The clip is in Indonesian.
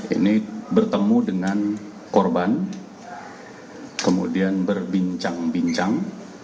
ini bertemu dengan korban kemudian berbincang bincang